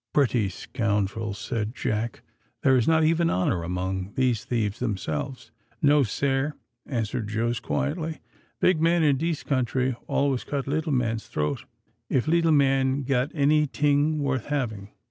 "Pretty scoundrels," said Jack; "there is not even honour among these thieves themselves." "No, sare," answered Jos quietly. "Big man in dis country always cut little man's throat, if little man got any ting worth having."